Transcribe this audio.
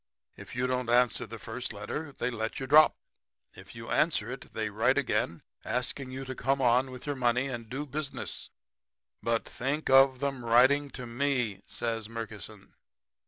'If you don't answer the first letter they let you drop. If you answer it they write again asking you to come on with your money and do business.' "'But think of 'em writing to ME!' says Murkison.